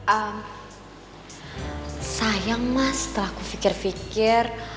eh sayang mas setelah aku pikir pikir